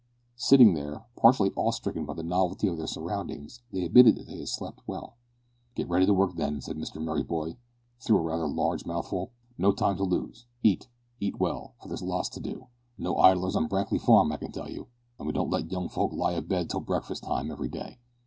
Sitting there, partially awe stricken by the novelty of their surroundings, they admitted that they had slept well. "Get ready for work then," said Mr Merryboy, through a rather large mouthful. "No time to lose. Eat eat well for there's lots to do. No idlers on Brankly Farm, I can tell you. And we don't let young folk lie abed till breakfast time every day.